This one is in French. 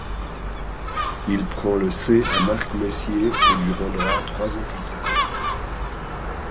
Il prend le C à Mark Messier et lui rendra trois ans plus tard.